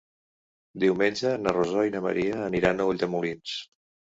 Diumenge na Rosó i na Maria aniran a Ulldemolins.